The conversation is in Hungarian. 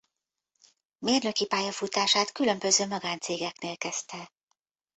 Mérnöki pályafutását különböző magáncégeknél kezdte.